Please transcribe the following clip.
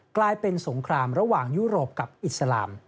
กลายเป็นสงครามระหว่างยุโรปกับอิสลาม